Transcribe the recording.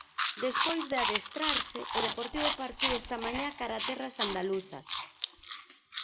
Despois de adestrarse, o Deportivo partiu esta mañá cara a terras andaluzas.